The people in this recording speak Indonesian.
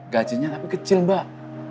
gajinya tapi kecil mbak